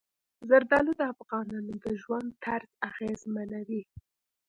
زردالو د افغانانو د ژوند طرز اغېزمنوي.